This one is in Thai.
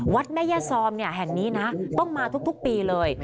วัดแม่ย่าซอมแห่งนี้นะต้องมาทุกปีเลย